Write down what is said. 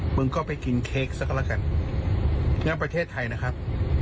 มึงก็ไปกินเค้กซะก็แล้วกันงั้นประเทศไทยนะครับ